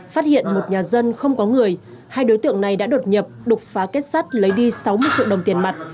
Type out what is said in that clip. phát hiện một nhà dân không có người hai đối tượng này đã đột nhập đục phá kết sắt lấy đi sáu mươi triệu đồng tiền mặt